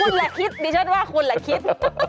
คุณแหละคิดดิฉันว่าคุณแหละคิด